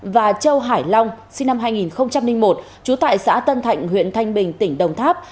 và châu hải long sinh năm hai nghìn một trú tại xã tân thạnh huyện thanh bình tỉnh đồng tháp